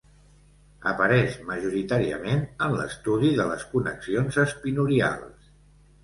Apareix majoritàriament en l'estudi de les connexions espinorials.